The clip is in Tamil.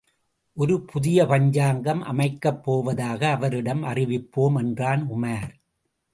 ஒரு புதிய பஞ்சாங்கம் அமைக்கப் போவதாக அவரிடம் அறிவிப்போம்! என்றான் உமார்.